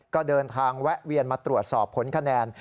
ก็เดินทางแวะเวียนมาตรวจสอบผลคะแนน